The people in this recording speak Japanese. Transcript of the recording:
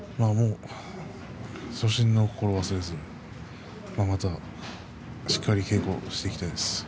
初心の心を忘れずにまた、しっかり稽古をしていきたいです。